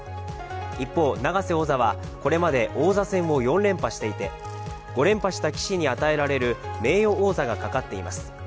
一方、永瀬王座はこれまで王座戦を４連覇していて５連覇した棋士に与えられる名誉王座がかかっています。